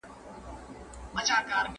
¬ خوار کور له دېواله معلومېږي.